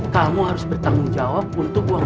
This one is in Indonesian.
kamu harus bertanggung jawab untuk uang